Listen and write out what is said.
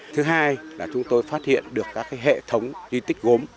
thứ hai là chúng tôi phát hiện được các hệ thống di tích gốm